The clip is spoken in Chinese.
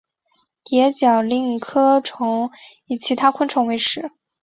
蝶角蛉科成虫以其他昆虫为食。